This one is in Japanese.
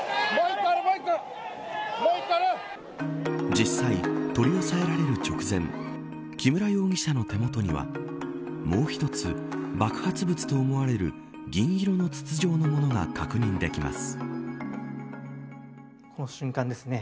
実際、取り押さえられる直前木村容疑者の手元にはもう一つ、爆発物と思われる銀色の筒状のものが確認できます。